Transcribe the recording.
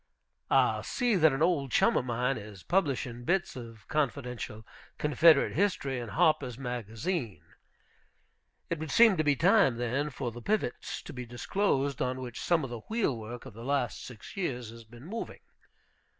I see that an old chum of mine is publishing bits of confidential Confederate History in Harper's Magazine. It would seem to be time, then, for the pivots to be disclosed on which some of the wheelwork of the last six years has been moving.